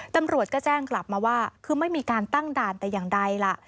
ตำรวจก็แจ้งกลับมาว่าคือไม่มีการตั้งด่านแต่อย่างใดล่ะ